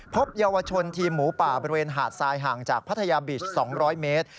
พบเยาวชนทีมหมูป่าบริเวณหาดทรายห่างจากพัทยาบิช๒๐๐เมตร